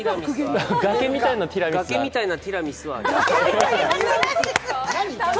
崖みたいなティラミスはあります。